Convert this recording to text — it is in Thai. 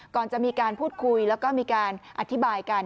ก่อนจะมีการพูดคุยแล้วก็มีการอธิบายกัน